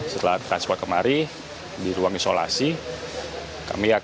setelah transport kemari di ruang isolasi kami akan menunggu sampai kedatangan